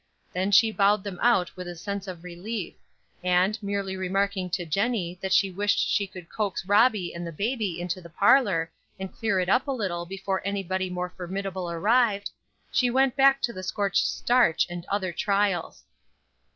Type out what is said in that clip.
Then she bowed them out with a sense of relief; and, merely remarking to Jennie that she wished she could coax Robbie and the baby into the parlor, and clear it up a little before anybody more formidable arrived, she went back to the scorched starch and other trials.